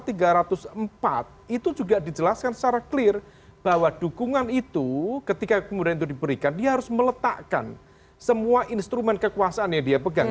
di saat yang sama di pasal tiga ratus empat itu juga dijelaskan secara clear bahwa dukungan itu ketika kemudian itu diberikan dia harus meletakkan semua instrumen kekuasaan yang dia pegang